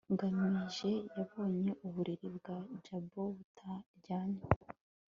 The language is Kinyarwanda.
ngamije yabonye uburiri bwa jabo butaryamye